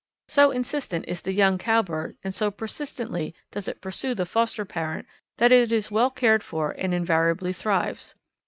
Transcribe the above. So insistent is the young Cowbird and so persistently does it pursue the foster parent that it is well cared for and invariably thrives.